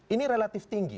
ini relatif tinggi